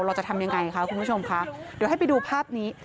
เราจะทำยังไงคะคุณผู้ชมค่ะเดี๋ยวให้ไปดูภาพนี้